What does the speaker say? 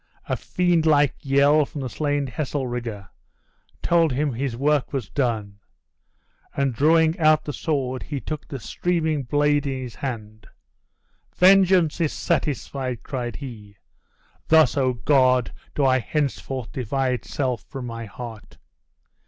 A fiend like yell from the slain Heselrigge told him his work was done; and drawing out the sword he took the streaming blade in his hand. "Vengeance is satisfied," cried he; "thus, O God! do I henceforth divide self from my heart!"